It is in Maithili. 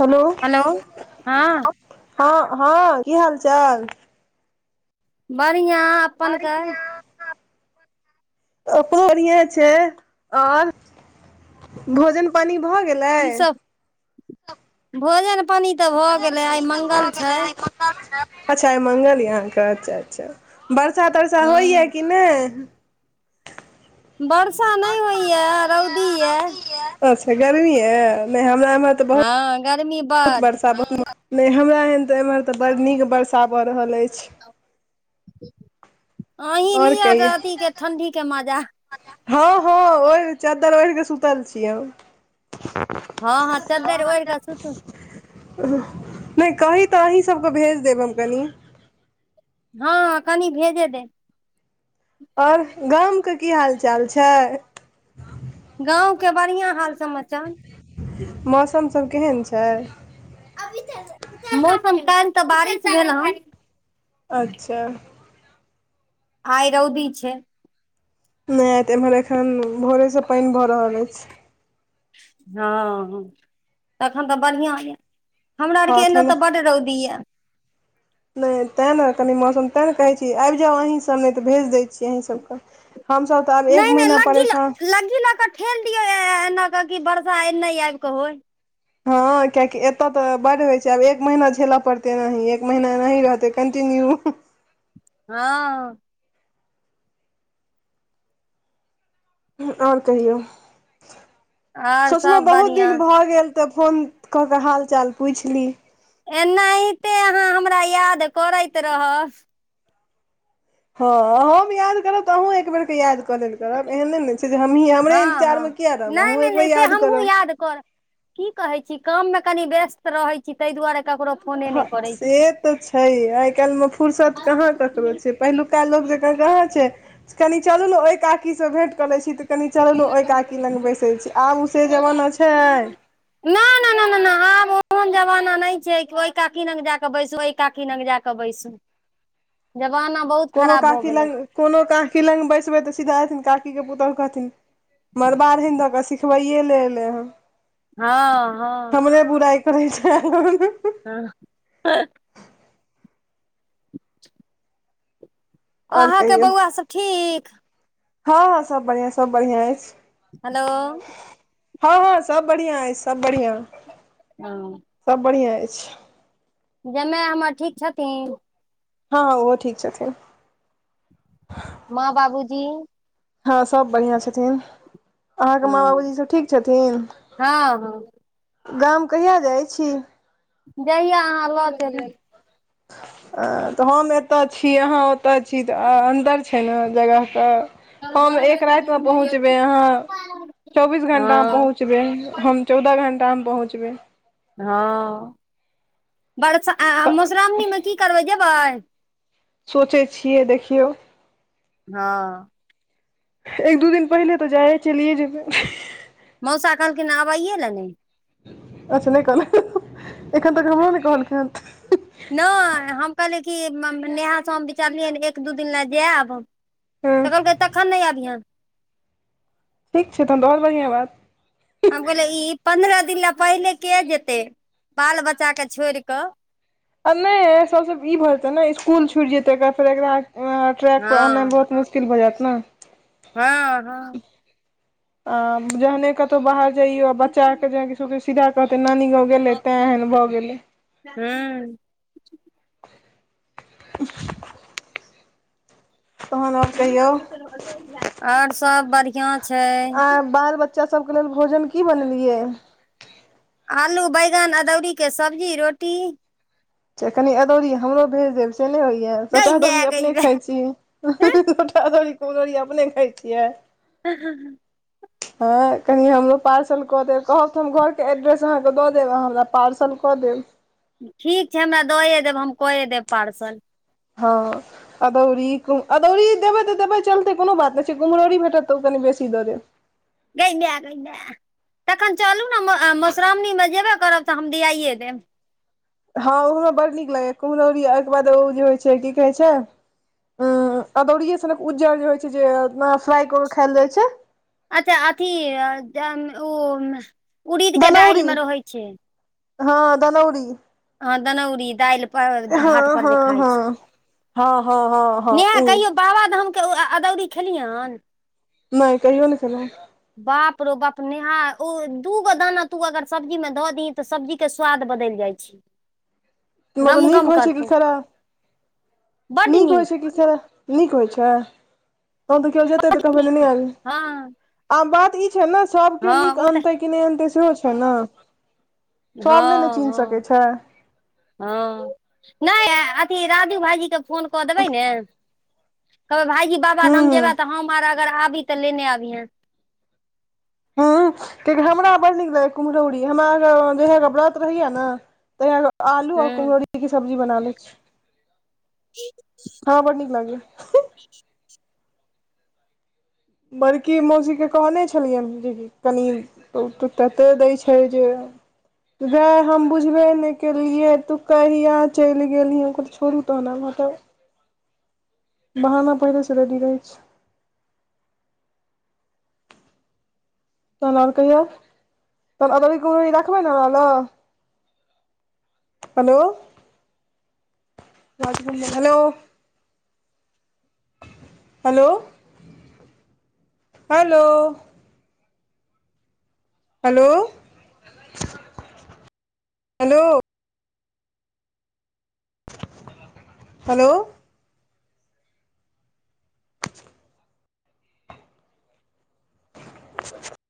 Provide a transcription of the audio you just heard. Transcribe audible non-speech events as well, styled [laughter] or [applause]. हेलो हेल्लो हँ हँ हँ की हाल चाल बढ़िआँ अपने बढ़ए छै आ भोजन पानी भऽ गेल की सब भोजन पानि तऽ भऽ गेलै आइ मङगल छै अच्छा मङ्गल य अहाँके अच्छा अच्छा वरषा तरसा हँ होइए कि नहि वर्षा नहि होइ यए रौदी यए अच्छा गर्मी य नहि हमरा एमे तऽ बहुत हँ गर्मी बहुत बड वर्षा बहुत नहि हमरा एहन तऽ एम्हर तऽ बड् नीक वर्षा भऽ रहल अछि अही आओर लिअ कहियौ तऽ अथी के ठंडी के मजा हँ हँ ओहि चादरि ओहि क सुतल छिऐ हम हँ हँ चदर ओढ़िक सुतू नहि कही तऽ अहीं सबके भेज देब हम कनि हँ कनि भेजे दे और गामके की हाल चाल छै गाँव के बढ़िआँ हाल समाचार मौसमसभ केहन छै मौसम कायल तऽ बारिश भेल हँ अच्छा आइ रौदी छै नहि आयतह एम्हर एखन भोरेसँ पानि भऽ रहल अछि हँ तखन तऽ बढ़िआँ यऽ हमरा आरके हँ एना ठण्डा तऽ बड रौदी यऽ नहि तैँ ने कनि मौसम तैँ ने कहै छी आबि जाउ अहीँसभ नहि तऽ भेज दै छीियै अहीँसभकेँ हम सभ नहि नहि लग्गी ल लग्गी लऽ कऽ ठेल दियौ एना कऽ कि वर्षा एनहि आबि कऽ होइ हँ कियकि एतय तऽ बड्ड होइ छै आब एक महीना झेलय पड़ते नही एक महीना एनाही रहतै कंटीन्यू हँ और कहियौ आओर सोचलहुं सब बहुत बढ़िआँ दिन भऽ गेल तऽ फोन कऽ कऽ हाल चाल पुछि ली एनाहिते अहाँ हमरा याद करैत रहब हँ हम याद करब त अहुँ एक बेर के याद कऽ लेल करब एहन नैने छै जे हमहीं हमरे हँ हँ इन्तजारमे किया रहब नहि अहूँ नहि एक नहि बेेर से याद हमहूँ करब याद करब की कहै छी काममे कनी व्यस्त रहैत छी ताहि दुआरे ककरो फोने हँ नहि करै छी से तऽ छै आइ काल्हिमे फुरसत कहाँ ककरो त ओ छै पहिलुका लोक जेका कहां छै कनि चलू नऽ ओहि काकीसँ भेट क लै छी तऽ कनि चलूल ने ओहि काकी लग बैसै छी आब ओ से जमाना छै नहि नहि ना ना ना ना आब ओहन जमाना नहि छै ओहि काकी लग जाक बैसु ओहि काकी लग जाक बैसु जमाना बहुत कोनो खराब भऽ काकी गेलै लग कोनो काकी लग बैसबै तऽ सीधा एथिन काकीके पुतोहु कहथिन मार बाड़हनि ध कऽ सिखबैए लऽ एलै हन हँ हँ बुराई करय नऽ आयल हँ हँ अहाँके कहियौ बौआ सब ठीक हँ हँ सब बढ़ियां सब बढ़ियां अछि हेलो हँ हँ सब बढ़ियां अय सब बढ़ियां हँ सभ बढ़ियां अछि जमाय हमर ठीक छथिन हँ हँ ओहो ठीक छथिन माँ बाबूजी हँ सब बढ़ियां छथिन अहाँके माँ हँ बाबूजी सब ठीक छथिन हँ हँ गाम कहिया जाइ छी जहिया अहाँ ल चलू तऽ हम एतय छी अहाँ ओतय छी तऽ अन्तर छै ने जगह क हम एक राति मऽ पहुँचबे अहाँ चौबीस घंटा में हँ पहुँच पहुँचबै हम चौदह घण्टामे पहुँचबै हँ बरसा तऽ मधुश्राओणीमे की करबै जेबै सोचै छियै देखियौ हँ एक दू दिन पहिले तो जाय चलियए जेबै मौसा कहलखिन आबइये ले नै अच्छ नहि कहलक ह्ह ह्ह एखन तकऽ हमरो नै कहलखिन नहि हम कहली कि नेहा से हम विचारलियै एक दू दिन ल जायब त हँ कहलकै तखन नहि अबिहैं ठीक छै तहन त और बढ़ियां बात हम कहलियै ई पन्द्रह दिन ल पहिले के जेतै बाल बच्चा के छोड़ कऽ आ नहि सबसे ई भ जेतै ने स्कुल छूटि जेतै एकरा फेर एकरा ट्रैक पर आननाइ हँ बहुत मुश्किल [unintelligible] भऽ जायत ने हँ हँ आ जहने कतौ बाहर जाइयो बच्चा आके सीधा कहतै नानी गाँव गेलै तैँ एहन भऽ गेलै हू [inaudible] तहन आओर कहियौ आ आओर सब बढ़ियां छै आइ बाल बच्चा सभके लेल भोजन की बनेलियै आलू बैंगन अदौरी के सब्जी रोटी कनी अदौरीी् हमरो भेज देब से नहि होइया गई छोटा दौरी माय अपने गई माय खाइ छी छोटा दौरी कुमभरौरी अपने खाइ छियै हूूँ [inaudible] हँ कनि हमरो पार्सल कऽ देब कहब तऽ हम घरके एड्रेस अहाँकेँ दऽ देब अह हमरा पार्सल कऽ देब ठीक छै हमरा दऽए देब हम कऽए देब पार्सल हँ अदौरी अदौरी देबै तऽ देबै चलतै कोनो बात नहि छै कुम्हरौरी भेटत तऽ ओ कनि बेसी दऽ देब गै मैया गै मैया तखन चलू ने मधुश्रावणीमे जेबे करब तऽ हम दआइए देब हँं ओहो हमरा बड़ नीक लगैएा कुम्हरौरी ओहिके बाद ओ जे होइ छै की कहे छै हं अदौड़ीये सनक उज्जर जे होइ छै जे फ्राई क क खायल जाइ छै अच्छा अथी अ ओ अ्म उरीद के दालि दनौरी मे रहै छै हँ दनौरी हँ दनौरी दालि पर भात हँ पर हँ जे खाय छी हँ हँ हँ हँ हँ ओ बाबाधाम के अदौरी खेलियैन नहि कहिओ ने खेलियै ने बाप रो बाप नेहा ओ दूगो दाना तू अगर सब्जी में धऽ दी तऽ सब्जी के स्वाद बदलि जाइ छै [inaudible] मलब नीक गमगम होइ छै कि करतौ सार नीक होइ छै कि स नीक होइ छै तो तऽ के जेते तऽ कहबै आयल हँ आब बात छै नऽ सब केओ हँ नीक ओ तऽ अनतै कि नहि अनतै सेहो छै नऽ सब नहि नऽ हँ चीन्ह सकै हँ छै हँ नहि अथी राजु भाईजी के फोन कऽ देबै नऽ कहबै भाईजी हू बाबाधाम हू जेबा तऽ हम आर अगर आबी तऽ लेने आबीहे हँ कियाकि हमरा बड़ नीक लगैया कुम्हरौरी हमरा जहिया क व्रत रहैया न तहिया क आलू और हूँ कुमरोरी केँऽ सब्जी बना लै छी [inaudible] हँ बड़ नीक लागै य बड़की मौसीके कहने छलियैन जेकि कनि उ तऽ तते दैय छै जे भाय हम बुझबे नइ केलियै तू कहिया चलि गेलही हम कहलिए छोरु तहन आब हटाउ बहाना पहिलेसँ रेडी रहै छै तहन आओर कहियौ तहन अदौरीे कुम्हरौरी राखबै न हमरा लऽ hello hello hello hello hello hello hello [inaudible]